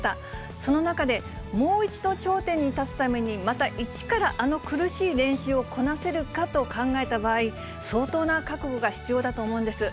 その中で、もう一度頂点に立つために、また一からあの苦しい練習をこなせるかと考えた場合、相当な覚悟が必要だと思うんです。